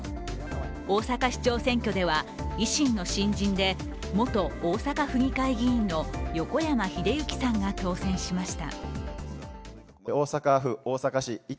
大阪市長選挙では維新の新人で元大阪府議会議員の横山英幸さんが当選しました。